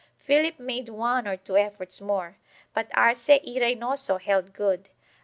Philip made one or two efforts more, but Arce y Reynoso held good.